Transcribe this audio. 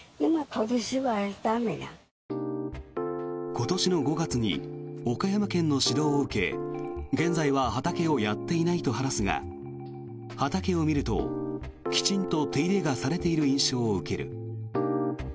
今年の５月に岡山県の指導を受け現在は畑をやっていないと話すが畑を見るときちんと手入れがされている印象を受ける。